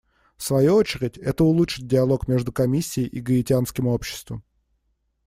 В свою очередь, это улучшит диалог между Комиссией и гаитянским обществом.